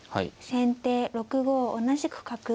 先手６五同じく角。